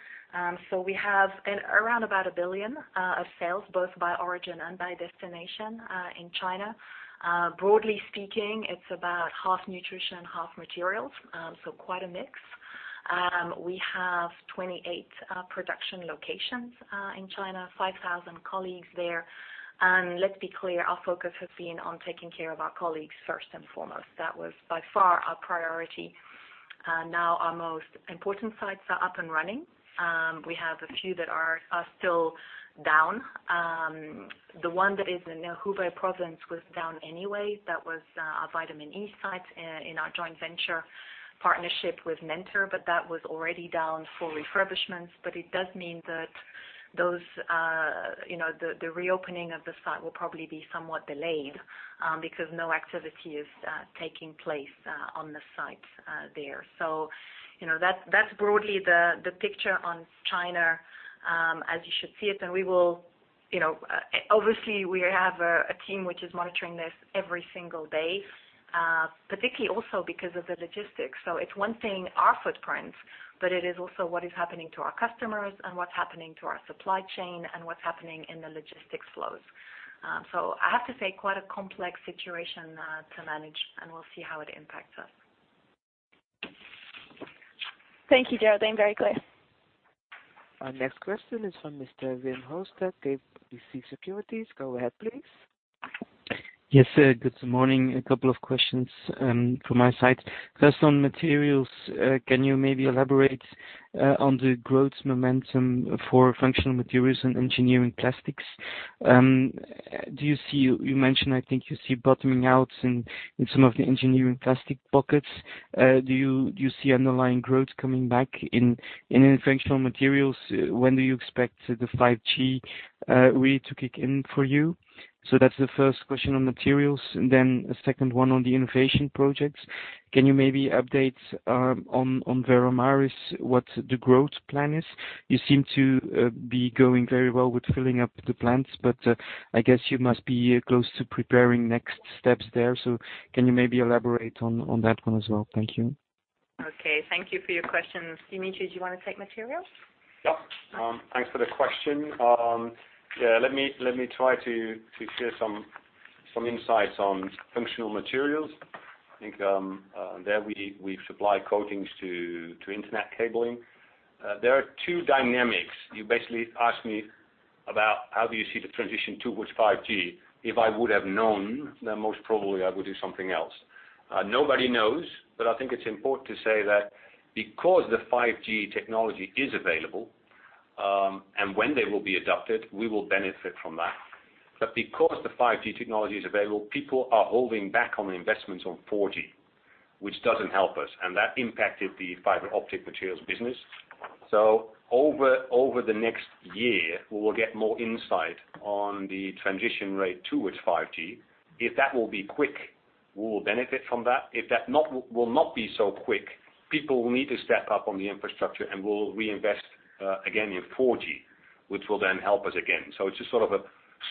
We have around about 1 billion of sales, both by origin and by destination, in China. Broadly speaking, it's about 1/2 nutrition, 1/2 materials. Quite a mix. We have 28 production locations in China, 5,000 colleagues there. Let's be clear, our focus has been on taking care of our colleagues first and foremost. That was by far our priority. Our most important sites are up and running. We have a few that are still down. The one that is in Hubei province was down anyway. That was our vitamin E site in our joint venture with Nenter, but that was already down for refurbishments. It does mean that the reopening of the site will probably be somewhat delayed because no activity is taking place on the site there. That's broadly the picture on China as you should see it. Obviously, we have a team which is monitoring this every single day, particularly also because of the logistics. It's one thing our footprint, but it is also what is happening to our customers and what's happening to our supply chain and what's happening in the logistics flows. I have to say, quite a complex situation to manage, and we'll see how it impacts us. Thank you, Geraldine. Very clear. Our next question is from Mr. Wim Hoste, KBC Securities. Go ahead, please. Yes, sir. Good morning. A couple of questions from my side. On materials, can you maybe elaborate on the growth momentum for functional materials and engineering plastics? You mentioned, I think, you see bottoming out in some of the engineering plastic pockets. Do you see underlying growth coming back in functional materials? When do you expect the 5G read to kick in for you? That's the first question on materials, a second one on the innovation projects. Can you maybe update on Veramaris, what the growth plan is? You seem to be going very well with filling up the plants, I guess you must be close to preparing next steps there. Can you maybe elaborate on that one as well? Thank you. Okay. Thank you for your questions. Dimitri, do you want to take materials? Yep. Thanks for the question. Let me try to share some insights on functional materials. There are two dynamics. You basically asked me about how do you see the transition towards 5G. If I would have known, most probably I would do something else. Nobody knows, I think it's important to say that because the 5G technology is available, and when they will be adopted, we will benefit from that. Because the 5G technology is available, people are holding back on the investments on 4G, which doesn't help us, and that impacted the fiber optic materials business. Over the next year, we will get more insight on the transition rate towards 5G. If that will be quick, we will benefit from that. If that will not be so quick, people will need to step up on the infrastructure and will reinvest again in 4G, which will then help us again. It's just sort of a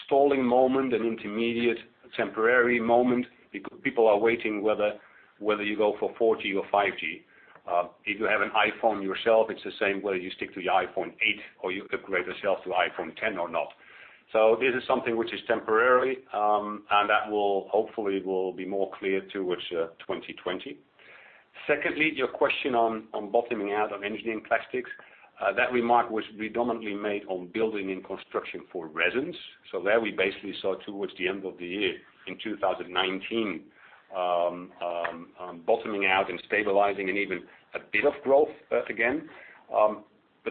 stalling moment, an intermediate, temporary moment because people are waiting whether you go for 4G or 5G. If you have an iPhone yourself, it's the same whether you stick to the iPhone 8 or you upgrade yourself to iPhone 10 or not. This is something which is temporary, and that hopefully will be more clear towards 2020. Secondly, your question on bottoming out of engineering plastics. That remark was predominantly made on building and construction for resins. There we basically saw towards the end of the year in 2019, bottoming out and stabilizing and even a bit of growth again.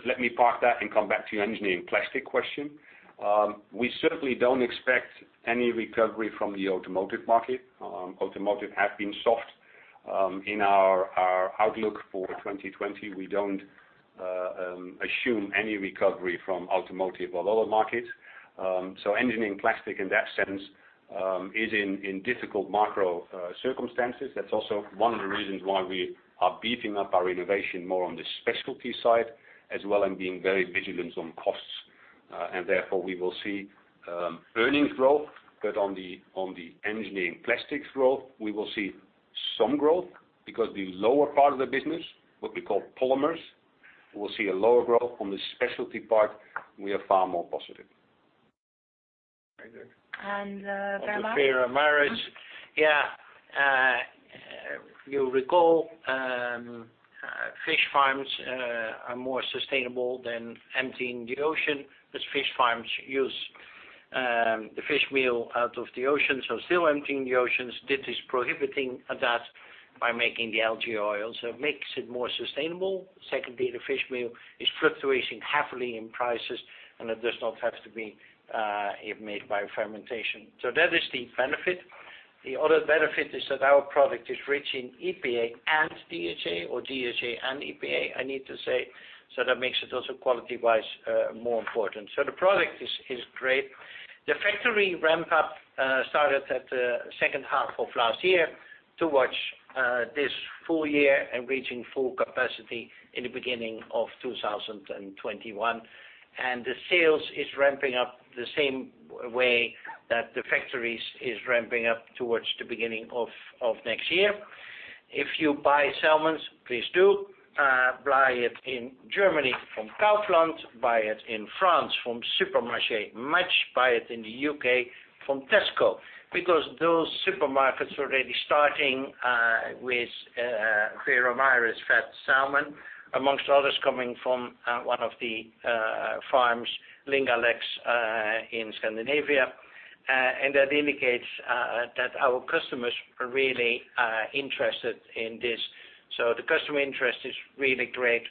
Let me park that and come back to your engineering plastic question. We certainly don't expect any recovery from the automotive market. Automotive has been soft. In our outlook for 2020, we don't assume any recovery from automotive or other markets. Engineering plastic in that sense, is in difficult macro circumstances. That's also one of the reasons why we are beefing up our innovation more on the specialty side, as well as being very vigilant on costs. Therefore, we will see earnings growth, but on the engineering plastics growth, we will see some growth because the lower part of the business, what we call polymers, will see a lower growth. On the specialty part, we are far more positive. And Veramaris? On the Veramaris. Yeah. You'll recall, fish farms are more sustainable than emptying the ocean, because fish farms use the fish meal out of the ocean, so still emptying the oceans. This is prohibiting that by making the algae oil, it makes it more sustainable. Secondly, the fish meal is fluctuating heavily in prices, it does not have to be made by fermentation. That is the benefit. The other benefit is that our product is rich in EPA and DHA or DHA and EPA, I need to say, that makes it also quality-wise more important. The product is great. The factory ramp-up started at the second half of last year towards this full year reaching full capacity in the beginning of 2021. The sales is ramping up the same way that the factories is ramping up towards the beginning of next year. If you buy salmons, please do. Buy it in Germany from Kaufland, buy it in France from Supermarchés Match, buy it in the U.K. from Tesco, because those supermarkets already starting with Veramaris fed salmon, amongst others, coming from one of the farms, Lerøy, in Scandinavia. That indicates that our customers are really interested in this. The customer interest is really great,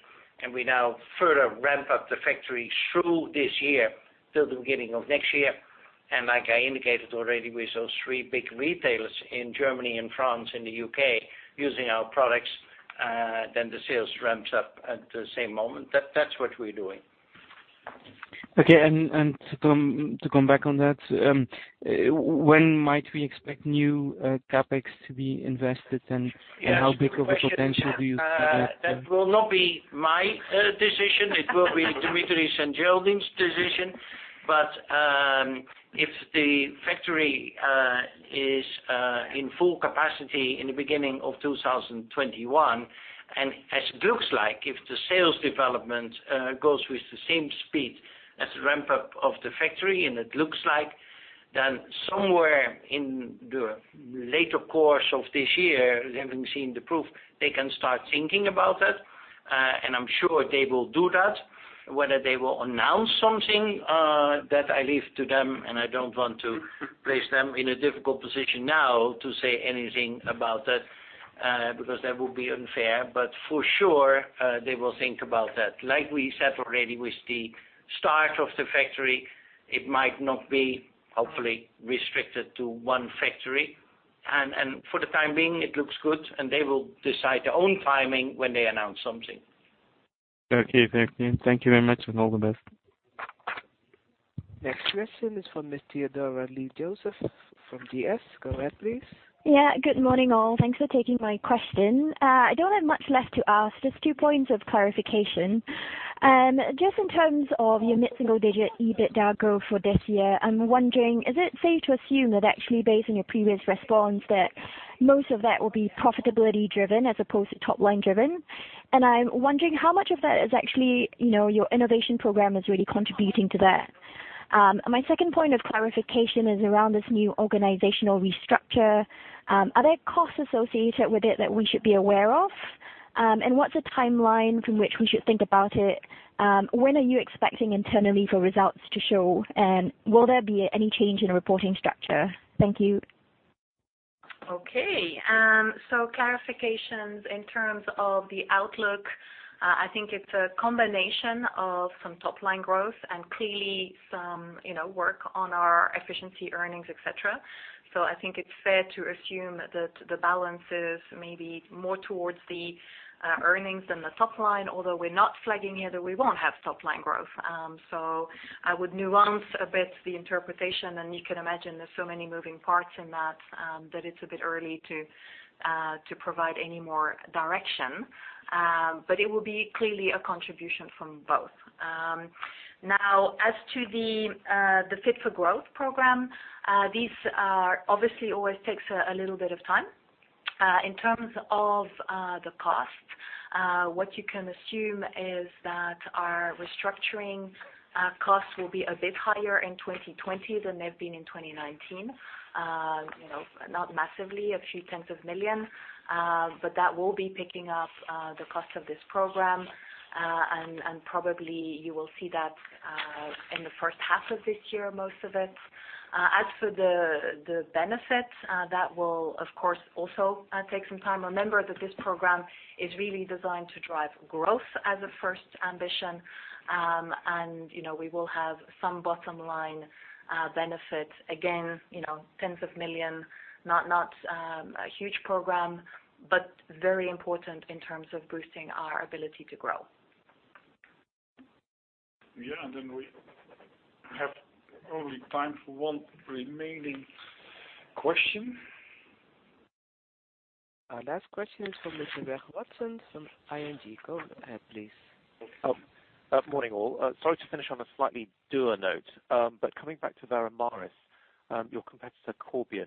and we now further ramp up the factory through this year till the beginning of next year. Like I indicated already, with those three big retailers in Germany and France and the U.K. using our products, then the sales ramps up at the same moment. That is what we are doing. Okay. To come back on that, when might we expect new CapEx to be invested and how big of a potential do you see there? That will not be my decision, it will be Dimitri's and Geraldine's decision. If the factory is in full capacity in the beginning of 2021, and as it looks like if the sales development goes with the same speed as the ramp-up of the factory, and it looks like, then somewhere in the later course of this year, having seen the proof, they can start thinking about that. I'm sure they will do that. Whether they will announce something, that I leave to them, and I don't want to place them in a difficult position now to say anything about that, because that would be unfair. For sure, they will think about that. Like we said already with the start of the factory, it might not be, hopefully, restricted to one factory. For the time being, it looks good, and they will decide their own timing when they announce something. Okay, thank you. Thank you very much. All the best. Next question is from Ms. Theodora Lee Joseph from GS. Go ahead, please. Yeah. Good morning, all. Thanks for taking my question. I don't have much left to ask, just two points of clarification. Just in terms of your mid-single digit EBITDA growth for this year, I'm wondering, is it safe to assume that actually based on your previous response, that most of that will be profitability driven as opposed to top line driven? I'm wondering how much of that is actually your innovation program is really contributing to that. My second point of clarification is around this new organizational restructure. Are there costs associated with it that we should be aware of? What's a timeline from which we should think about it? When are you expecting internally for results to show? Will there be any change in the reporting structure? Thank you. Okay. Clarifications in terms of the outlook, I think it's a combination of some top line growth and clearly some work on our efficiency earnings, et cetera. I think it's fair to assume that the balance is maybe more towards the earnings than the top line, although we're not flagging here that we won't have top line growth. I would nuance a bit the interpretation, and you can imagine there's so many moving parts in that it's a bit early to provide any more direction. But it will be clearly a contribution from both. Now as to the Fit for Growth program, this obviously always takes a little bit of time. In terms of the cost, what you can assume is that our restructuring costs will be a bit higher in 2020 than they've been in 2019. Not massively, a few 10s of million. That will be picking up the cost of this program. Probably you will see that in the first half of this year, most of it. As for the benefits, that will, of course, also take some time. Remember that this program is really designed to drive growth as a first ambition. We will have some bottom-line benefit. Again, 10s of million, not a huge program, but very important in terms of boosting our ability to grow. Yeah, we have only time for one remaining question. Our last question is from Mr. Reginald Watson from ING. Go ahead, please. Morning, all. Sorry to finish on a slightly dour note. Coming back to Veramaris, your competitor, Corbion,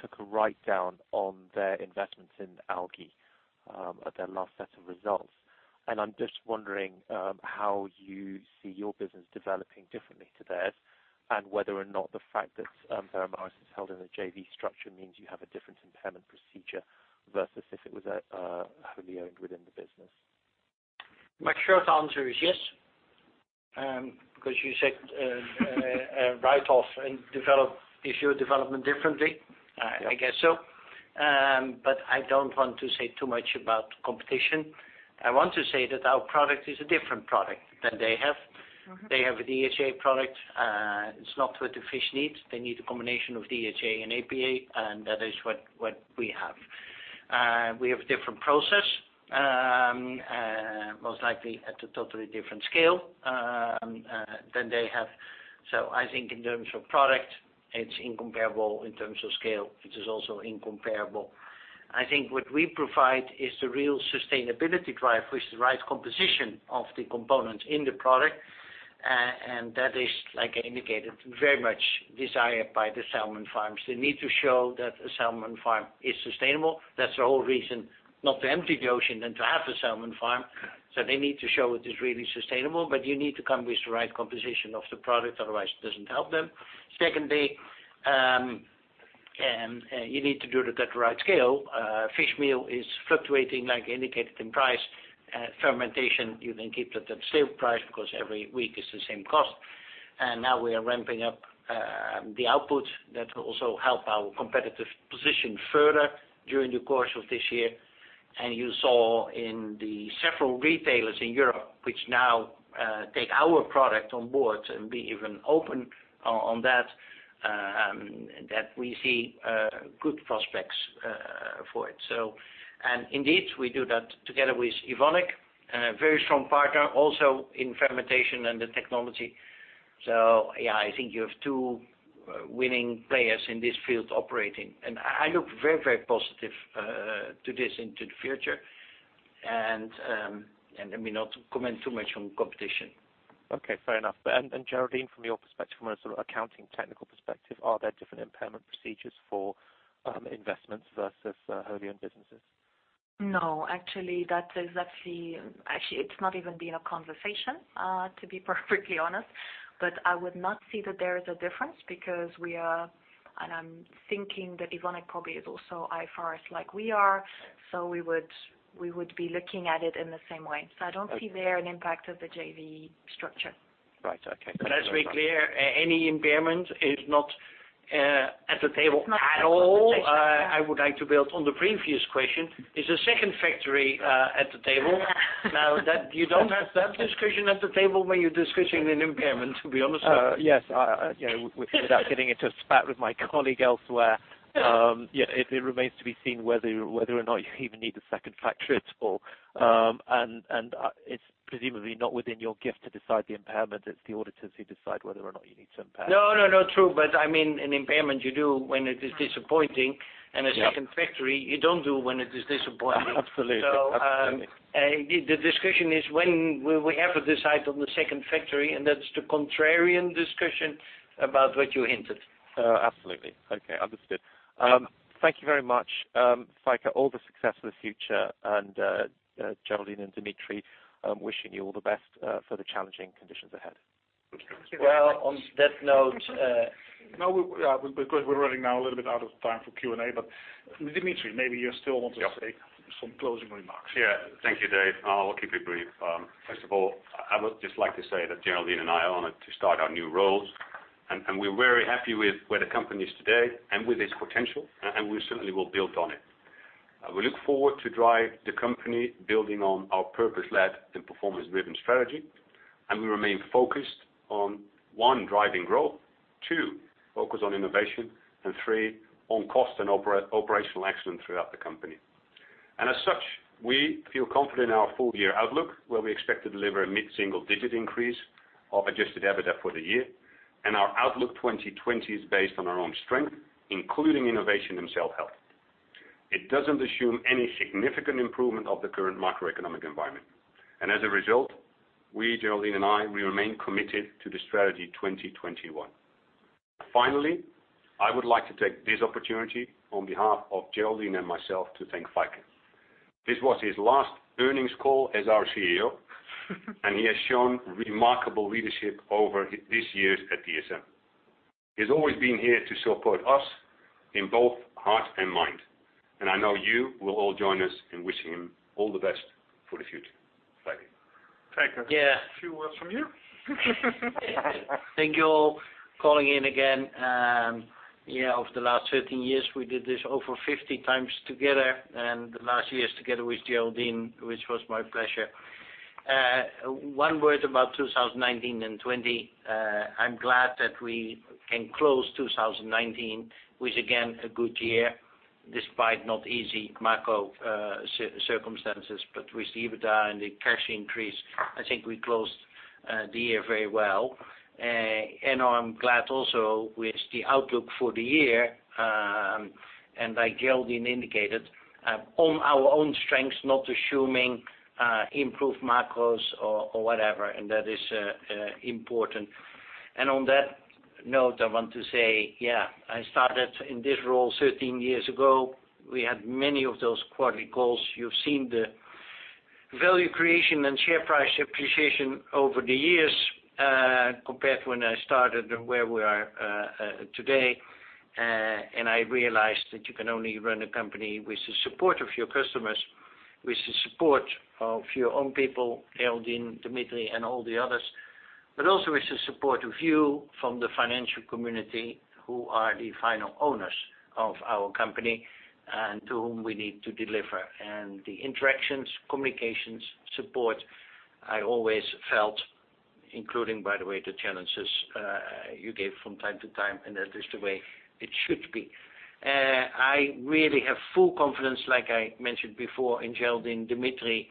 took a write-down on their investments in algae at their last set of results. I'm just wondering how you see your business developing differently to theirs, and whether or not the fact that Veramaris is held in a JV structure means you have a different impairment procedure versus if it was wholly owned within the business. My short answer is yes, because you said write off and if you develop differently. Yeah. I guess so. I don't want to say too much about competition. I want to say that our product is a different product than they have. They have a DHA product. It's not what the fish needs. They need a combination of DHA and EPA. That is what we have. We have a different process, most likely at a totally different scale than they have. I think in terms of product, it's incomparable. In terms of scale, it is also incomparable. I think what we provide is the real sustainability drive with the right composition of the components in the product. That is, like I indicated, very much desired by the salmon farms. They need to show that a salmon farm is sustainable. That's the whole reason, not to empty the ocean and to have the salmon farm. They need to show it is really sustainable, but you need to come with the right composition of the product, otherwise it doesn't help them. Secondly, you need to do it at the right scale. Fish meal is fluctuating, like indicated in price. Fermentation, you can keep it at the same price because every week it's the same cost. Now we are ramping up the output that will also help our competitive position further during the course of this year. You saw in the several retailers in Europe, which now take our product on board and be even open on that we see good prospects for it. Indeed, we do that together with Evonik, a very strong partner also in fermentation and the technology. Yeah, I think you have two winning players in this field operating, and I look very positive to this into the future. Let me not comment too much on competition. Okay, fair enough. Geraldine, from your perspective, from a sort of accounting, technical perspective, are there different impairment procedures for investments versus wholly owned businesses? No, actually, it's not even been a conversation, to be perfectly honest. I would not see that there is a difference because we are, and I'm thinking that Evonik probably is also IFRS like we are, so we would be looking at it in the same way. I don't see there an impact of the JV structure. Right. Okay. Thank you very much. Let's be clear, any impairment is not at the table at all. It's not up for conversation. I would like to build on the previous question. Is the second factory at the table? Now that you don't have that discussion at the table when you're discussing an impairment, to be honest. Yes. Without getting into a spat with my colleague elsewhere, it remains to be seen whether or not you even need a second factory at all. It's presumably not within your gift to decide the impairment. It's the auditors who decide whether or not you need to impair. No, true. An impairment you do when it is disappointing, and a second factory you don't do when it is disappointing. Absolutely. The discussion is when will we ever decide on the second factory, and that's the contrarian discussion about what you hinted. Absolutely. Okay. Understood. Thank you very much, Feike. All the success for the future. Geraldine and Dimitri, wishing you all the best for the challenging conditions ahead. Thank you. No, we're running now a little bit out of time for Q&A, but Dimitri, maybe you still want to say some closing remarks. Yeah. Thank you, Dave. I'll keep it brief. First of all, I would just like to say that Geraldine and I are honored to start our new roles, and we're very happy with where the company is today and with its potential, and we certainly will build on it. We look forward to drive the company building on our purpose-led and performance-driven strategy, and we remain focused on, one, driving growth, two, focus on innovation, and three, on cost and operational excellence throughout the company. As such, we feel confident in our full year outlook, where we expect to deliver a mid-single digit increase of adjusted EBITDA for the year. Our outlook 2020 is based on our own strength, including innovation and Cell Health. It doesn't assume any significant improvement of the current macroeconomic environment. As a result, we, Geraldine and I, we remain committed to the Strategy 2021. Finally, I would like to take this opportunity on behalf of Geraldine and myself to thank Feike. This was his last earnings call as our CEO, and he has shown remarkable leadership over his years at DSM. He's always been here to support us in both heart and mind, and I know you will all join us in wishing him all the best for the future. Feike. Feike. Yeah. A few words from you? Thank you all calling in again. Over the last 13 years, we did this over 50 times together, and the last years together with Geraldine, which was my pleasure. One word about 2019 and 2020. I'm glad that we can close 2019 with again, a good year despite not easy macro circumstances, but with EBITDA and the cash increase, I think we closed the year very well. I'm glad also with the outlook for the year, and like Geraldine indicated, on our own strengths, not assuming improved macros or whatever, and that is important. On that note, I want to say, I started in this role 13 years ago. We had many of those quarterly calls. You've seen the value creation and share price appreciation over the years, compared to when I started and where we are today. I realized that you can only run a company with the support of your customers, with the support of your own people, Geraldine, Dimitri, and all the others, but also with the support of you from the financial community who are the final owners of our company and to whom we need to deliver. The interactions, communications, support I always felt, including by the way, the challenges you gave from time to time, and that is the way it should be. I really have full confidence, like I mentioned before, in Geraldine, Dimitri,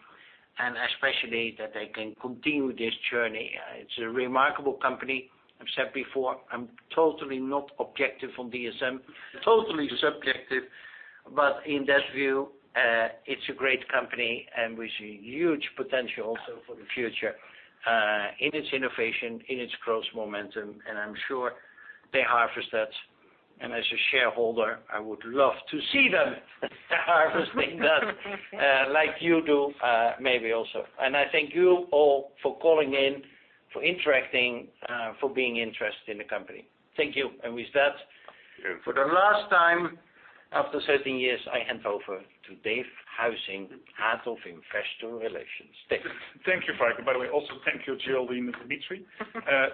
and especially that they can continue this journey. It's a remarkable company. I've said before, I'm totally not objective on DSM, totally subjective. In that view, it's a great company and with huge potential also for the future, in its innovation, in its growth momentum, and I'm sure they harvest that. As a shareholder, I would love to see them harvesting that, like you do maybe also. I thank you all for calling in, for interacting, for being interested in the company. Thank you. With that, for the last time, after 13 years, I hand over to Dave Huizing, heart of investor relations. Dave. Thank you, Feike. By the way, also thank you, Geraldine and Dimitri.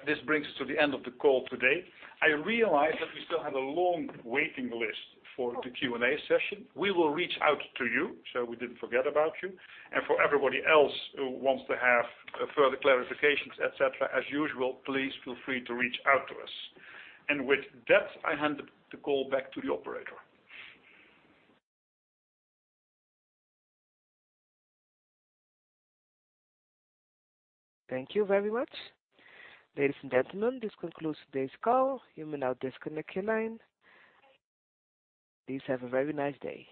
This brings us to the end of the call today. I realize that we still have a long waiting list for the Q&A session. We will reach out to you, so we didn't forget about you. For everybody else who wants to have further clarifications, et cetera, as usual, please feel free to reach out to us. With that, I hand the call back to the operator. Thank you very much. Ladies and gentlemen, this concludes today's call. You may now disconnect your line. Please have a very nice day.